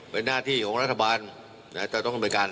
เป็นหน้าที่ของราธบาลน่าจะต้องทำเป็นประการ